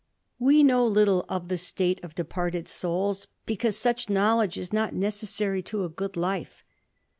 We know little of the state of departed souls, because svich knowledge is not necessary to a good life.